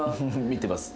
見てます。